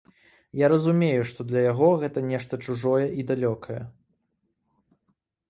Я разумею, што для яго гэта нешта чужое і далёкае.